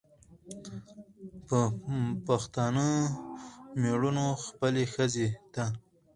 چې پښتانه مېړونه خپلې ښځې ته